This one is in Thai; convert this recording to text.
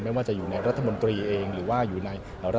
ไม่ว่าจะอยู่ในรัฐมนตรีรัฐวิทยาลัยหรือในองค์กรต่าง